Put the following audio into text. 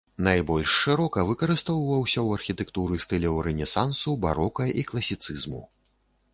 Найбольш шырока выкарыстоўваўся ў архітэктуры стыляў рэнесансу, барока і класіцызму.